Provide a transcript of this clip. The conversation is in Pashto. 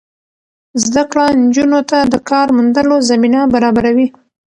زده کړه نجونو ته د کار موندلو زمینه برابروي.